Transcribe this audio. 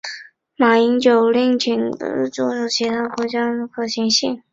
马英九另亦请部会着手研议寻求其他国际途径解决之可行性。